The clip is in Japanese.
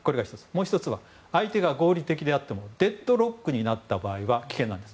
もう１つは相手が合理的であってもデッドロックになった場合は危険なんです。